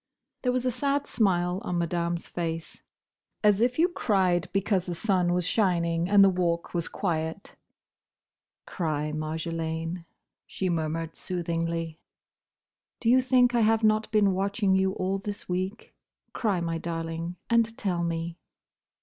There was a sad smile on Madame's face. As if you cried because the sun was shining and the Walk was quiet! "Cry, Marjolaine," she murmured soothingly. "Do you think I have not been watching you all this week? Cry, my darling, and tell me."